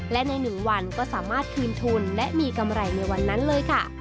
และใน๑วันก็สามารถคืนทุนและมีกำไรในวันนั้นเลยค่ะ